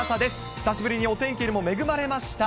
久しぶりにお天気にも恵まれました。